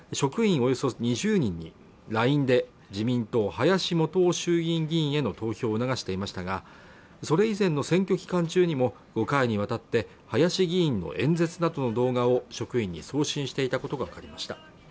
およそ２０人にＬＩＮＥで自民党林幹雄衆議院議員への投票を促していましたがそれ以前の選挙期間中にも５回にわたって林議員の演説などの動画を職員に送信していたことが分かりました